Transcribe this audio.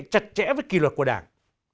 chặt chẽ với kỳ luật của đảng